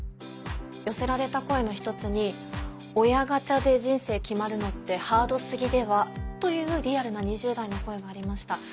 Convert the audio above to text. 寄せられた声の１つに「親ガチャで人生決まるのってハード過ぎでは？」というリアルな２０代の声がありました。